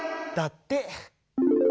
だって！